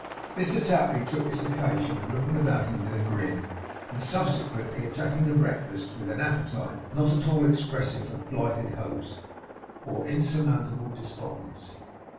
Mr Tapley took this occasion of looking about him with a grin, and subsequently attacking the breakfast, with an appetite not at all expressive of blighted hopes, or insurmountable despondency.